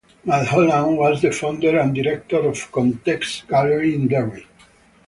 Mulholland was the founder and Director of Context Gallery in Derry.